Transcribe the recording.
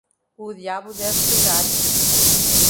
O diabo deve pegar!